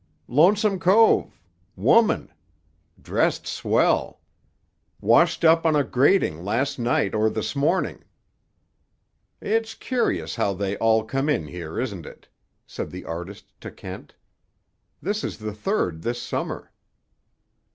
"Lonesome Cove. Woman. Dressed swell. Washed up on a grating last night or this morning." "It's curious how they all come in here, isn't it?" said the artist to Kent. "This is the third this summer."